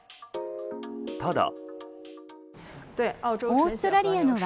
ただ。